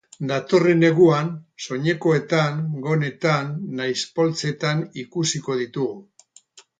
Datorren neguan, soinekoetan, gonetan nahiz poltsetan ikusiko ditugu.